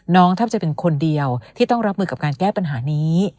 แทบจะเป็นคนเดียวที่ต้องรับมือกับการแก้ปัญหานี้